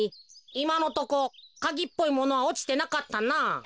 いまのとこカギっぽいものはおちてなかったなあ。